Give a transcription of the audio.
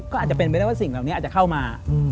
ก็อาจจะเป็นไปได้ว่าสิ่งเหล่านี้อาจจะเข้ามา